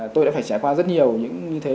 tôi đã phải trải qua rất nhiều những như thế